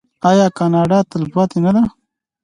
آیا کاناډا تلپاتې نه ده؟